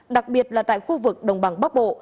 đặc biệt là tại khu vực đồng bằng bắc bộ